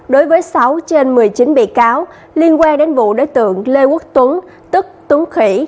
đối với sáu trên một mươi chín bị cáo liên quan đến vụ đối tượng lê quốc tuấn tức tuấn khỉ